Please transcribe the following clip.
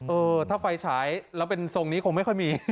เออถ้าไฟฉายแล้วเป็นทรงนี้คงไม่ค่อยมี